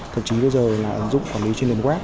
thậm chí bây giờ là ứng dụng quản lý trên nền web